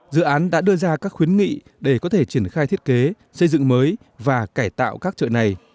dự án đã đưa ra các khuyến nghị để có thể triển khai thiết kế xây dựng mới và cải tạo các chợ này